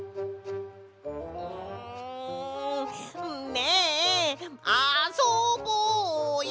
ねえあそぼうよ！